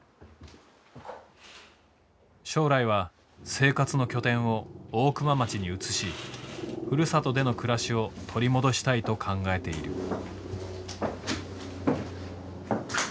将来は生活の拠点を大熊町に移しふるさとでの暮らしを取り戻したいと考えている。